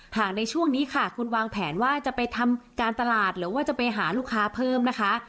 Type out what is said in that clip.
หากในช่วงนี้ค่ะคุณวางแผนว่าจะไปทำการตลาดหรือว่าจะไปหาลูกค้าเพิ่มนะคะ